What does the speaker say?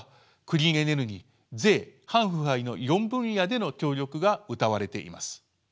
クリーンエネルギー税反腐敗の４分野での協力がうたわれています。